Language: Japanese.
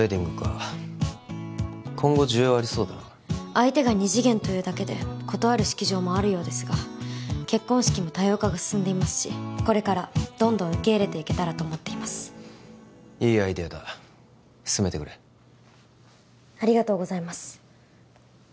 相手が二次元というだけで断る式場もあるようですが結婚式も多様化が進んでいますしこれからどんどん受け入れていけたらと思っていますいいアイディアだ進めてくれありがとうございます